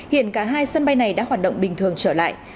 hiện cả hai sân bay này đã hoạt động bình thường trở lại